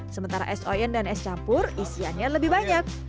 sementara es oyen dan es campur isiannya lebih banyak